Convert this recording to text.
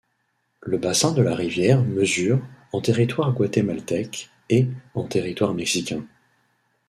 Le bassin de la rivière mesure en territoire guatémaltèque et en territoire mexicain.